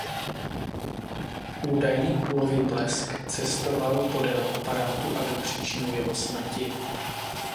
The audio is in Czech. Údajný kulový blesk cestoval podél aparátu a byl příčinou jeho smrti.